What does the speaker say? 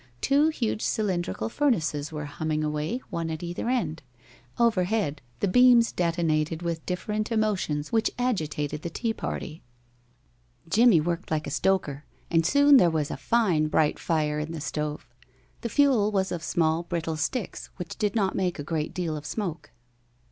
Two huge cylindrical furnaces were humming away, one at either end. Overhead the beams detonated with the different emotions which agitated the tea party. Jimmie worked like a stoker, and soon there was a fine bright fire in the stove. The fuel was of small brittle sticks which did not make a great deal of smoke.